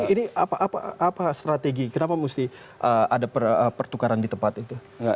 ini apa strategi kenapa mesti ada pertukaran di tempat itu